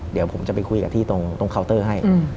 เดี๋ยวผมจะไปคุยกับที่ตรงเคาน์เตอร์ให้